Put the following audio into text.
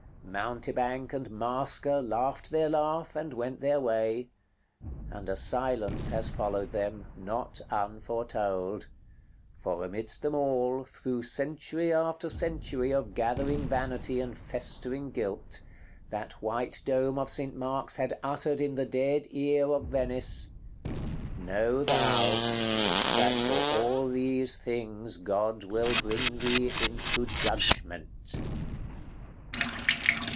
Mountebank and masquer laughed their laugh, and went their way; and a silence has followed them, not unforetold; for amidst them all, through century after century of gathering vanity and festering guilt, that white dome of St. Mark's had uttered in the dead ear of Venice, "Know thou, that for all these things God will bring thee into judgment."